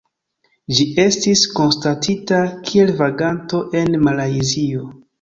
Ĝi estis konstatita kiel vaganto en Malajzio.